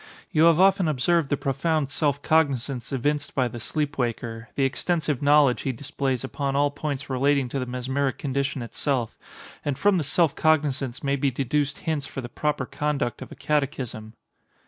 You have often observed the profound self cognizance evinced by the sleep waker—the extensive knowledge he displays upon all points relating to the mesmeric condition itself; and from this self cognizance may be deduced hints for the proper conduct of a catechism."